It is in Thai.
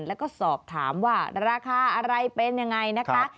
แล้วก็สอบถามว่าราคาอะไรเป็นยังไงนะคะ